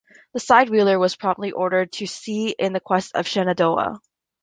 The side-wheeler was promptly ordered to sea in quest of "Shenandoah".